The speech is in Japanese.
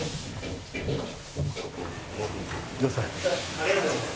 ありがとうございます。